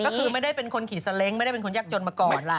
ก็คือไม่ได้เป็นคนขี่ซาเล้งไม่ได้เป็นคนยากจนมาก่อนล่ะ